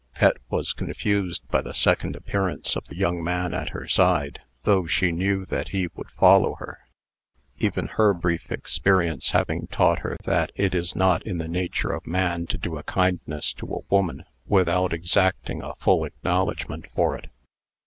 Pet was confused by the second appearance of the young man at her side, though she knew that he would follow her; even her brief experience having taught her that it is not in the nature of man to do a kindness to a woman, without exacting a full acknowledgment for it.